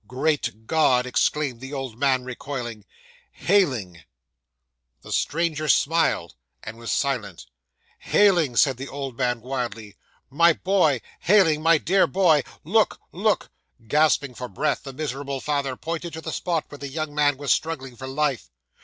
'"Great God!" exclaimed the old man, recoiling, "Heyling!" 'The stranger smiled, and was silent. '"Heyling!" said the old man wildly; "my boy, Heyling, my dear boy, look, look!" Gasping for breath, the miserable father pointed to the spot where the young man was struggling for life.